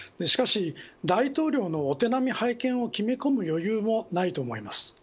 しかし、大統領のお手並み拝見を決め込む余裕もないと思います。